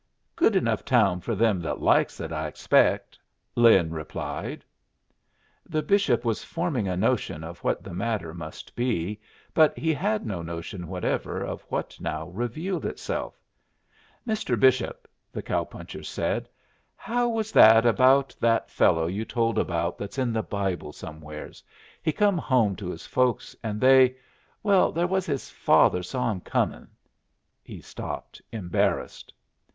"Good enough town for them that likes it, I expect," Lin replied. The bishop was forming a notion of what the matter must be, but he had no notion whatever of what now revealed itself. "Mr. Bishop," the cow puncher said, "how was that about that fellow you told about that's in the Bible somewheres? he come home to his folks, and they well there was his father saw him comin'" He stopped, embarrassed.